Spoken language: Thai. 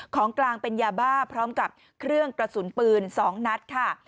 ของกลางเป็นยาบ้าพร้อมกับเครื่องกระสุนปืน๒นัดค่ะ